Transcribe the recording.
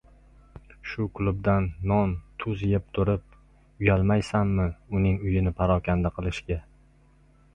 Shu klubdan non-tuz yeb turib, uyalmaysanmi uning uyini parokanda qilishga?